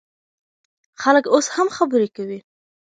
خلک اوس هم خبرې کوي.